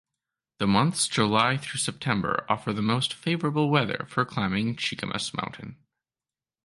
The months July through September offer the most favorable weather for climbing Cheakamus Mountain.